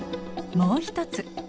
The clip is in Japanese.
もう一つ